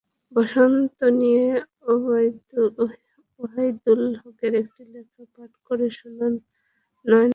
বসন্ত নিয়ে ওয়াহিদুল হকের একটি লেখা পাঠ করে শোনান নায়লা তারাননুম।